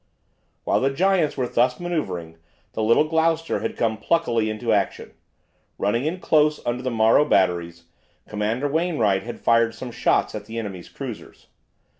While the giants were thus manoeuvring the little "Gloucester" had come pluckily into action. Running in close under the Morro batteries, Commander Wainwright had fired some shots at the enemy's cruisers.